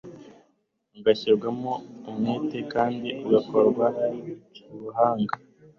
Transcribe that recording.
ugashyirwamo umwete kandi ugakoranwa ubuhanga